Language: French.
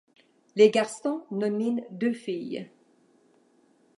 Les garçons nominent deux filles.